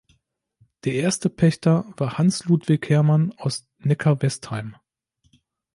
Der erste Pächter war Hans Ludwig Hermann aus Neckarwestheim.